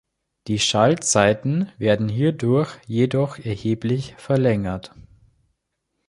Die Schaltzeiten werden hierdurch jedoch erheblich verlängert.